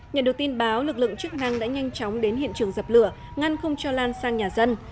nhận được tin báo lực lượng chức năng đã nhanh chóng đến hiện trường dập lửa ngăn không cho lan sang nhà dân